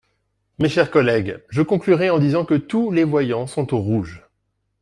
Mes chers collègues, je conclurai en disant que tous les voyants sont au rouge.